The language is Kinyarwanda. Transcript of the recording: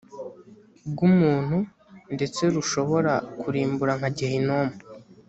bw umuntu ndetse rushobora kurimbura nka gehinomu